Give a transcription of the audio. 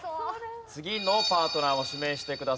次のパートナーを指名してください。